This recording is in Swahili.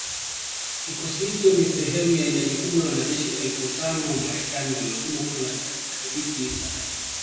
Kikosi hicho ni sehemu ya idadi kubwa ya wanajeshi elfu tano wa Marekani waliotumwa Poland katika wiki za karibuni.